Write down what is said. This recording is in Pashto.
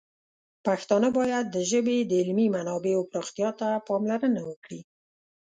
پښتانه باید د ژبې د علمي منابعو پراختیا ته پاملرنه وکړي.